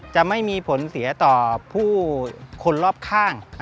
จะไม่มีผลเสียต่อผู้คนรอบข้าง